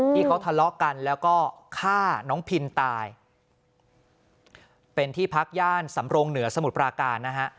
ที่เขาทะเลาะกันแล้วก็ฆ่าน้องพินตายเป็นที่พักย่านสำรงเหนือสมุทรปราการนะฮะ